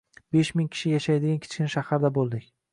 Besh ming kishi yashaydigan kichkina shaharda bo‘ldik.